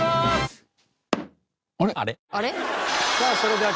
あれ？